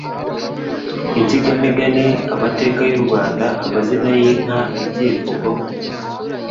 insigamigani, amateka y'u Rwanda, amazina y'inka, ibyivugo,